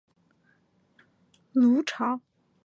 芦潮港镇原是中国上海市浦东新区下辖的一个镇。